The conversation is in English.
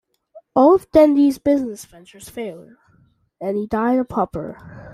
All of Dendy's business ventures failed, and he died a pauper.